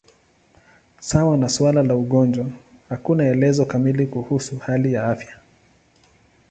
Sawa na suala la ugonjwa, hakuna elezo kamili kuhusu hali ya afya.